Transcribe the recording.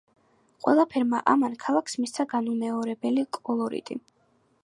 ყველაფერმა ამან ქალაქს მისცა განუმეორებელი კოლორიტი.